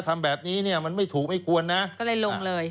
ทำแบบนี้มันไม่ถูกไม่ควรเลยลงเลย